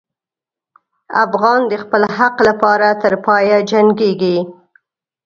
افغان د خپل حق لپاره تر پایه جنګېږي.